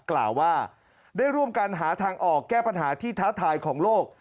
กล่าวว่าได้ร่วมกันหาทางออกแก้ปัญหาที่ท้าทายของโลก